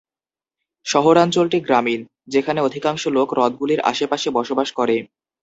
শহরাঞ্চলটি গ্রামীণ, যেখানে অধিকাংশ লোক হ্রদগুলির আশেপাশে বসবাস করে।